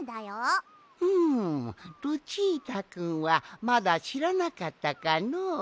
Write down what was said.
うむルチータくんはまだしらなかったかのう。